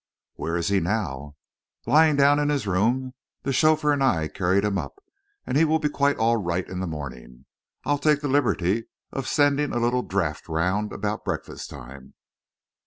"Where is he now?" "Lying down in his room. The chauffeur and I carried him up, and he will be quite all right in the morning. I'll take the liberty of sending a little draught round about breakfast time."